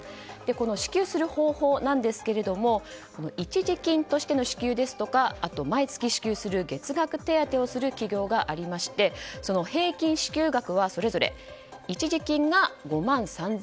支給する方法ですが一時金としての支給ですとか毎月支給する月額手当をする企業がありましてその平均支給額はそれぞれ一時金が５万３７００円